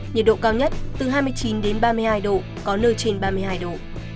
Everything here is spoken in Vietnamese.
nhiệt độ cao nhất từ hai mươi chín đến ba mươi hai độ có nơi trên ba mươi hai độ